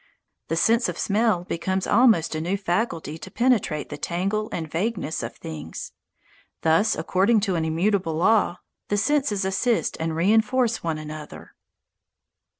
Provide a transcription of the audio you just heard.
The sense of smell becomes almost a new faculty to penetrate the tangle and vagueness of things. Thus, according to an immutable law, the senses assist and reinforce one another.